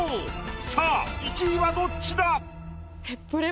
さあ１位はどっちだ⁉